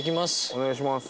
お願いします。